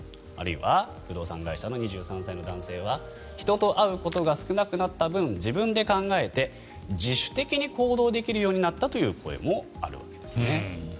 あるいは不動産会社の２３歳の男性は人と会うことが少なくなった分自分で考えて自主的に行動できるようになったという声もあるわけです。